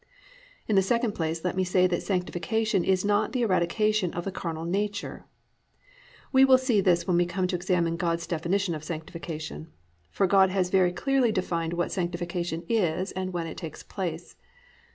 2. In the second place, let me say that Sanctification is not the eradication of the carnal nature. We will see this when we come to examine God's definition of Sanctification; for God has very clearly defined what Sanctification is and when it takes place.